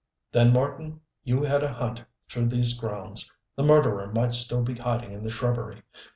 "Then, Marten, you head a hunt through these grounds. The murderer might still be hiding in the shrubbery.